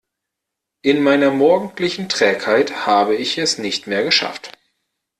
In meiner morgendlichen Trägheit habe ich es nicht mehr geschafft.